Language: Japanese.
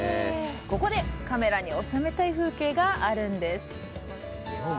ここで、カメラに収めたい風景があるんです。